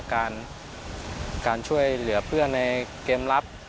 การช่วยเหลือเพื่อนในเกมรับ